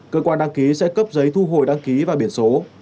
cơ quan đăng ký sẽ cấp giấy thu hồi đăng ký và biển số